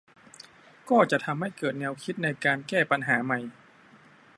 ก็จะทำให้เกิดแนวคิดในการแก้ปัญหาใหม่